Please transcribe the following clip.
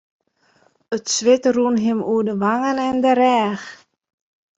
It swit rûn him oer de wangen en de rêch.